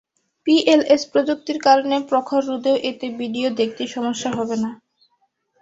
PLS প্রযুক্তির কারণে প্রখর রোদেও এতে ভিডিও দেখতে সমস্যা হবে না।